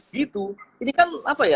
begitu ini kan